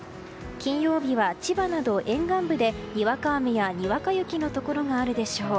金曜日は千葉など沿岸部でにわか雨やにわか雪のところがあるでしょう。